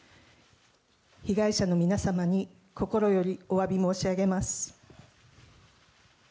被害者の皆様に心よりおわび申し上げます。